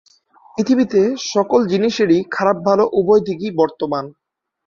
পৃথিবীতে সকল জিনিসেরই খারাপ ভালো উভয় দিকই বর্তমান।